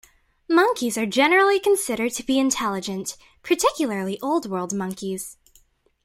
Monkeys are generally considered to be intelligent, particularly Old World monkeys.